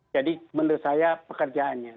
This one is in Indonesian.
jadi menurut saya pekerjaannya